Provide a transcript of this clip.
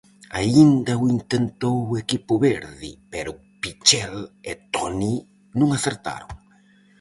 Aínda o intentou o equipo verde, pero Pichel e Toni non acertaron.